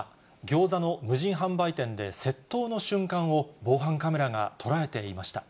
ギョーザの無人販売店で窃盗の瞬間を、防犯カメラが捉えていまし